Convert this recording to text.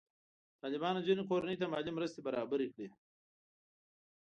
طالبانو ځینې کورنۍ ته مالي مرستې برابرې کړي.